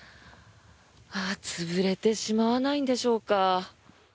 潰れてしまわないんでしょうか。